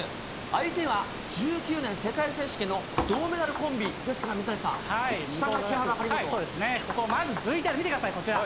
相手は１９年世界選手権の銅メダルコンビですが、水谷さん、ここ、まずＶＴＲ見てください、こちら。